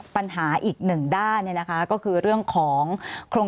สวัสดีครับทุกคน